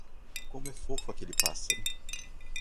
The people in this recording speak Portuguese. Como é fofo aquele pássaro.